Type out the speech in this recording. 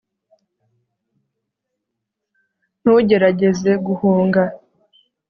ntugerageze guhunga